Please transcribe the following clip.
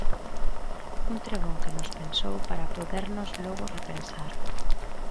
Un trebón que nos pensou para podernos logo repensar.